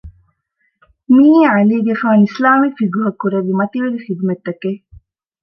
މިއީ ޢަލީގެފާނު އިސްލާމީ ފިޤުހަށް ކުރެއްވި މަތިވެރި ޚިދުމަތްތަކެއް